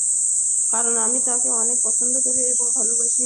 কারণ আমি তাকে অনেক পছন্দ করি এবং ভালোবাসি।